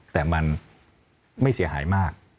แต่มันไม่เสียหายมาก